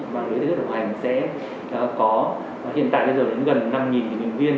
mạng lưới thầy thuốc đồng hành sẽ có hiện tại đến gần năm nhân viên